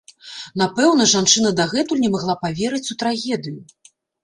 Напэўна, жанчына дагэтуль не магла паверыць у трагедыю.